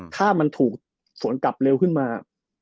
ถ้ามันถูกสวนกลับเร็วขึ้นมา